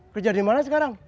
kerja dimana sekarang